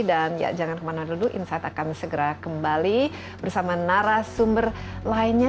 dan jangan kemana mana dulu insight akan segera kembali bersama narasumber lainnya